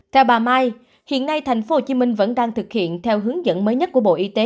theo bà mai hiện nay tp hcm vẫn đang thực hiện theo hướng dẫn mới nhất của bộ y tế